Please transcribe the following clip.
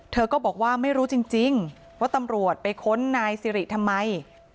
เธอก็บอกว่าไม่รู้จริงว่าตำรวจไปค้นนายสิริทำไม